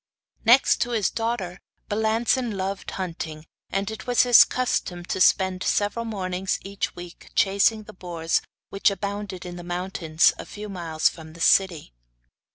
Next to his daughter, Balancin loved hunting, and it was his custom to spend several mornings every week chasing the boars which abounded in the mountains a few miles from the city.